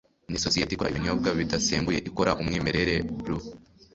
Nisosiyete ikora ibinyobwa bidasembuye ikora umwimerere Bru